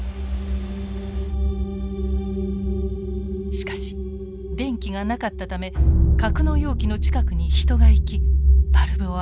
しかし電気がなかったため格納容器の近くに人が行きバルブを開けるしかありません。